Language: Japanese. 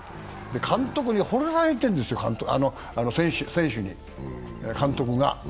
監督がほれられているんですよ、選手に、監督が。